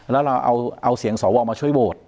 แล้วเราเอาเสียงสวมาช่วยโหวต